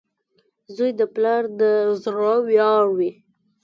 • زوی د پلار د زړۀ ویاړ وي.